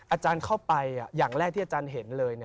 อาจารย์เข้าไปอย่างแรกที่อาจารย์เห็นเลย